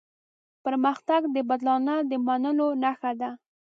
پرمختګ د بدلانه د منلو نښه ده.